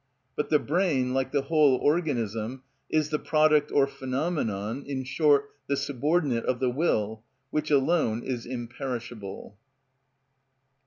But the brain, like the whole organism, is the product or phenomenon, in short, the subordinate of the will, which alone is imperishable.